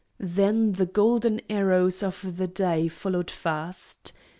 Then the golden arrows of the day followed fast.